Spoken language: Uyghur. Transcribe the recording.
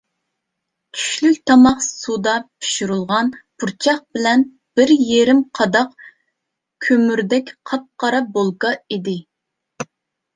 چۈشلۈك تاماق سۇدا پىشۇرۇلغان پۇرچاق بىلەن بىر يېرىم قاداق كۆمۈردەك قاپقارا بولكا ئىدى.